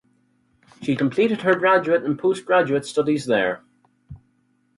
She completed her graduate and postgraduate studies there.